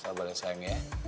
sabar ya sayang ya